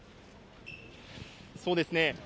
そうですね。